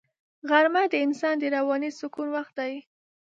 غرمه د انسان د رواني سکون وخت دی